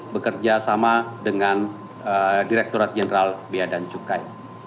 bekerja sama dengan direktorat jeneral bia dan cukai